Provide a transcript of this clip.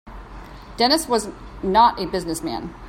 Dennis was not a business man.